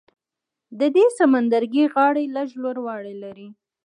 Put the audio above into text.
د دې سمندرګي غاړې لږ لوړوالی لري.